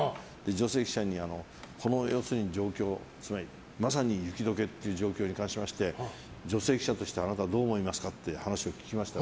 女性記者に、この状況まさに雪解けという状況に関して女性記者としてあなたはどう思いますかって話を聞きました。